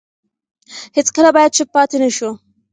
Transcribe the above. هیڅکله باید چوپ پاتې نه شو.